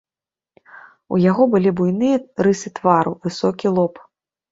У яго былі буйныя рысы твару, высокі лоб.